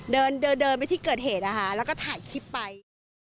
เดินเดินไปที่เกิดเหตุนะคะแล้วก็ถ่ายคลิปไป